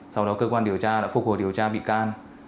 sau đó cơ quan điều tra đã phục hồi điều tra bị can